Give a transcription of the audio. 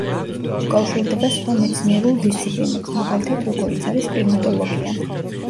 უკავშირდება სხვა მეცნიერულ დისციპლინებს, მაგალითად, როგორიც არის კლიმატოლოგია.